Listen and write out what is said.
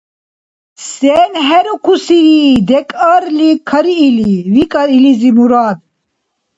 — Сен хӀерукусири, декӀарли кариили? – викӀар илизи Мурад.